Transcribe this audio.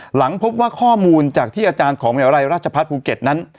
หลังพบว่าข้อมูลจากที่อาจารย์ของวิทยาลัยราชพัฒน์ภูเก็ตนั้น